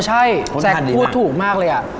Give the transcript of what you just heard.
เออใช่แจ๊กพูดถูกมากเลยอะ